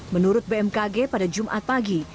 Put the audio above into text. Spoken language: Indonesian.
menurut bmkg pada jumat pagi